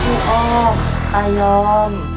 พี่อ้อมไตยอม